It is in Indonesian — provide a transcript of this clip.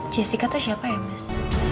jessica itu siapa ya mas